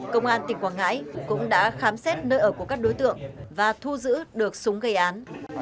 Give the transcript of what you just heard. công an tỉnh quảng ngãi cũng đã khám xét nơi ở của các đối tượng và thu giữ được súng gây án